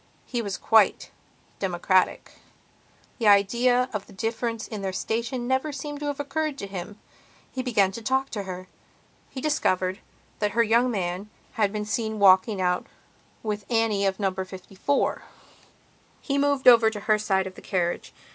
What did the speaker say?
He was quite democratic; the idea of the difference in their station never seems to have occurred to him. He began to talk to her. He discovered that her young man had been seen walking out with Annie of Number 54. He moved over to her side of the carriage.